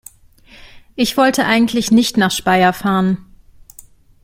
Ich wollte eigentlich nicht nach Speyer fahren